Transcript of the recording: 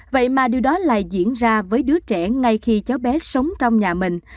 vậy mà điều đó lại diễn ra với đứa trẻ ngay khi cháu bé sống trong nhà mình